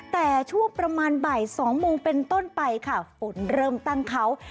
แต่ช่วงประมาณบ่าย๒โมงเป็นต้นไปค่ะฝนเริ่มตั้งเขา